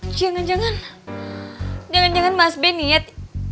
jangan jangan jangan mas ben niat